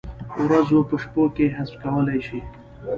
ورځې په شپو کې حذف کولای شي؟